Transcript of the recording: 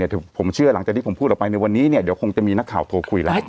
ผมเชื่อหลังจากที่ผมพูดออกไปในวันนี้เนี่ยเดี๋ยวคงจะมีนักข่าวโทรคุยแล้ว